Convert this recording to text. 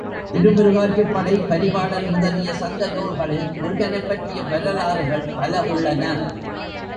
திருமுருகாற்றுப்படை, பரிபாடல் முதலிய சங்க நூல்களில் முருகனைப் பற்றிய வரலாறுகள் பல உள்ளன.